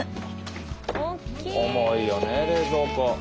重いよね冷蔵庫。